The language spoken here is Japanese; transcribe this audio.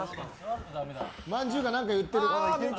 まんじゅうがなんか言ってる。